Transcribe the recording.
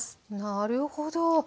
なるほど。